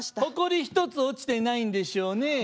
「ほこり一つ落ちてないんでしょうね」。